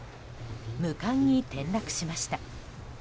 無冠に転落しました。